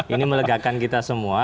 ini melegakan kita semua